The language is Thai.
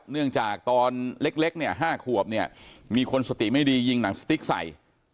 เนื่องจากตอนเล็ก๕ขวบมีคนสติไม่ดียิงหนังสติ๊กใส